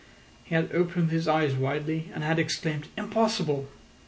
He had opened his eyes widely, and had exclaimed "Impossible!"